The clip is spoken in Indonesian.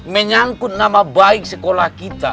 menyangkut nama baik sekolah kita